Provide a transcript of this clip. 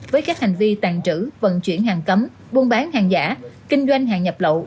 với các hành vi tàn trữ vận chuyển hàng cấm buôn bán hàng giả kinh doanh hàng nhập lậu